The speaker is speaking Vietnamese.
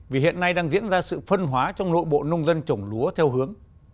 vì hiện nay đang diễn ra sự phân hóa trong nội bộ nông dân trồng lúa theo hướng